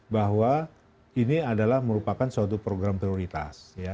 bahwa ini adalah merupakan suatu program prioritas